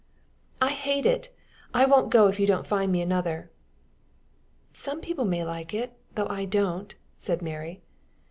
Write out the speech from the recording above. "I hate it. I won't go if you don't find me another." "Some people may like it, though I don't," said Mary.